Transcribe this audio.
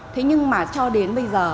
thế nhưng mà cho đến bây giờ